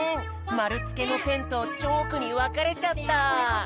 まるつけのペンとチョークにわかれちゃった！